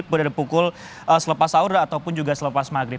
pada pukul selepas sahur ataupun juga selepas maghrib